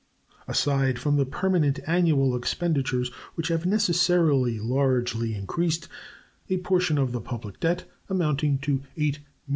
Aside from the permanent annual expenditures, which have necessarily largely increased, a portion of the public debt, amounting to $8,075,986.